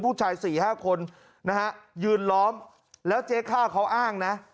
ผู้ชายสี่ห้าคนนะฮะยืนล้อมแล้วเจ๊ข้าวเขาอ้างนะ